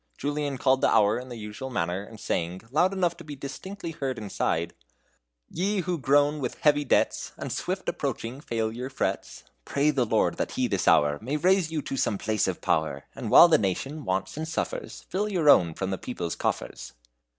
Julian called the hour in the usual manner, and sang, loud enough to be distinctly heard inside: "Ye who groan with heavy debts, And swift approaching failure frets, Pray the Lord that He this hour May raise you to some place of power; And while the nation wants and suffers, Fill your own from the people's coffers."